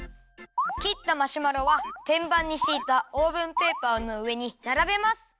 きったマシュマロはてんばんにしいたオーブンペーパーのうえにならべます。